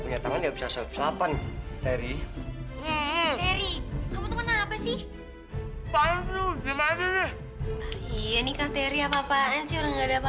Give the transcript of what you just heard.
ya kan kamu juga udah pernah bilang